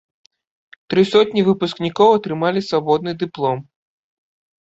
Тры сотні выпускнікоў атрымалі свабодны дыплом.